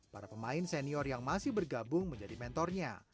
para pemain senior yang masih bergabung menjadi mentornya